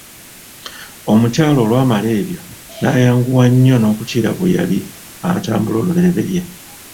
Omukyala olwamala ebyo nayanguwa nnyo nokukira bwe yali atambula olubereberye.